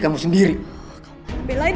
aku akan mencari cherry